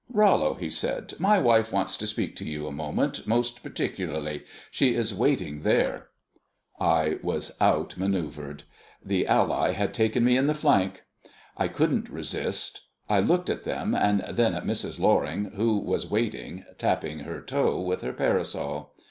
"Rollo," he said, "my wife wants to speak to you a moment most particularly. She is waiting there." I was out manœuvred the ally had taken me in the flank. I couldn't resist. I looked at them, and then at Mrs. Loring, who was waiting, tapping her toe with her parasol.